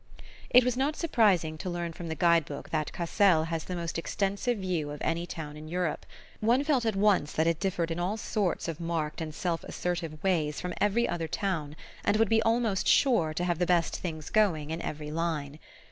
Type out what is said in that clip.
It was not surprising to learn from the guide book that Cassel has the most extensive view of any town in Europe: one felt at once that it differed in all sorts of marked and self assertive ways from every other town, and would be almost sure to have the best things going in every line.